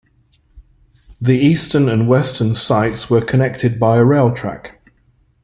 The eastern and western sites were connected by a rail track.